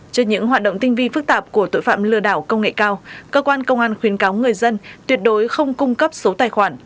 trên những hoạt động tinh vi phức tạp của tội phạm lừa đảo công nghệ cao cơ quan công an khuyến cáo người dân tuyệt đối không cung cấp số tài khoản